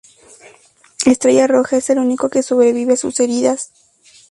Estrella Roja es el único que sobrevive a sus heridas.